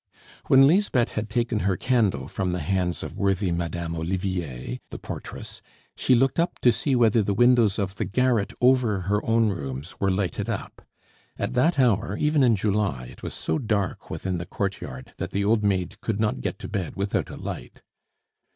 When Lisbeth had taken her candle from the hands of worthy Madame Olivier the portress, she looked up to see whether the windows of the garret over her own rooms were lighted up. At that hour, even in July, it was so dark within the courtyard that the old maid could not get to bed without a light.